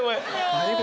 何？